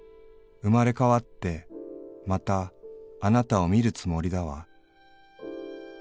生れ変ってまたあなたを見るつもりだわ』